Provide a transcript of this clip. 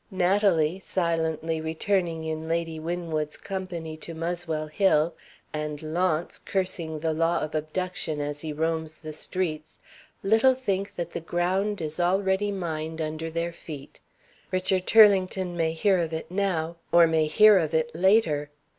Natalie, silently returning in Lady Winwood's company to Muswell Hill; and Launce, cursing the law of Abduction as he roams the streets little think that the ground is already mined under their feet. Richard Turlington may hear of it now, or may hear of it later.